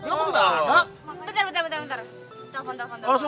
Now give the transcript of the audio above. bentar bentar bentar telepon telepon